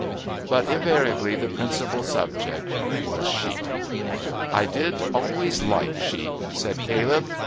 But invariably the principal subject was sheep. "I did always like sheep," said Caleb.